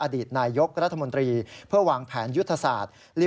อดีตนายกรัฐมนตรีเพื่อวางแผนยุทธศาสตร์